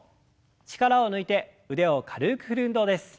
力を抜いて腕を軽く振る運動です。